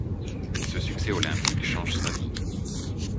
Ce succès olympique change sa vie.